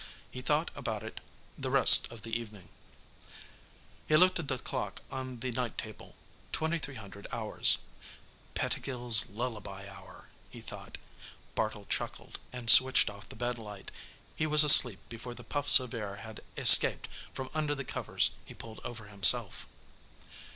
He thought about it the rest of the evening. He looked at the clock on the night table 2300 hours. "Pettigill's Lullaby Hour," he thought. Bartle chuckled and switched off the bed light. He was asleep before the puffs of air had escaped from under the covers he pulled over himself.